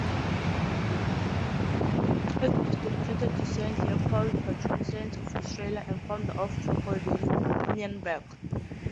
It is dedicated to Saint Leopold, patron saint of Austria and founder of Klosterneuburg.